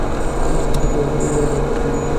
হুম, কেউ না কেউ তার নাম জানত।